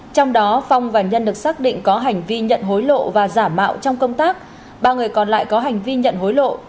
trong đó phong và nhân được xác định có hành vi nhận hối lộ và giả mạo trong công tác ba người còn lại có hành vi nhận hối lộ